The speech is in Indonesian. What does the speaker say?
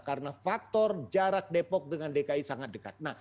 karena faktor jarak depok dengan dki sangat dekat